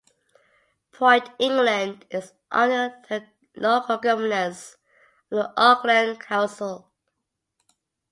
Point England is under the local governance of the Auckland Council.